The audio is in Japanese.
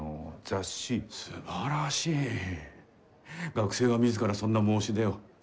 学生が自らそんな申し出を。